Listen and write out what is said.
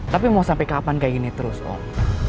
tapi mau sampai kapan kayak gini terus om